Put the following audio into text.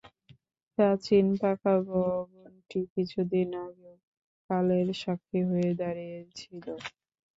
প্রাচীন পাকা ভবনটি কিছুদিন আগেও কালের সাক্ষী হয়ে দাঁড়িয়ে ছিল।